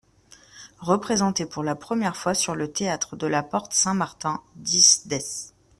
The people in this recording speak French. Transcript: Représenté pour la première fois sur le théâtre de la Porte-Saint-Martin (dix déc.